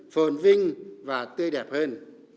phồn vinh và tươi đẹp hơn